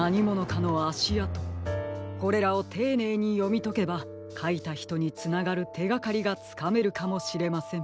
これらをていねいによみとけばかいたひとにつながるてがかりがつかめるかもしれません。